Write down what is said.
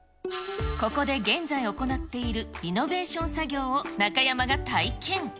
ここで現在行っているリノベーション作業を中山が体験。